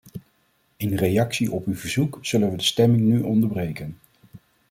In reactie op uw verzoek zullen we de stemming nu onderbreken.